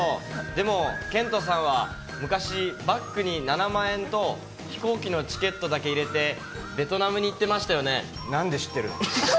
でも遣都さんは昔、バッグに７万円と飛行機のチケットだけ入れてベトナムに行ってまなんで知ってるの？